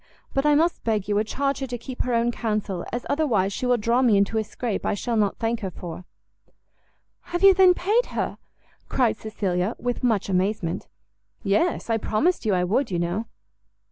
But I must beg you would charge her to keep her own counsel, as otherwise she will draw me into a scrape I shall not thank her for." "Have you, then, paid her?" cried Cecilia, with much amazement. "Yes; I promised you I would, you know."